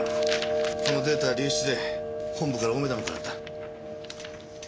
このデータ流出で本部から大目玉くらった。